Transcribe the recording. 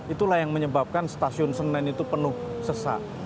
itulah yang menyebabkan stasiun senen itu penuh sesak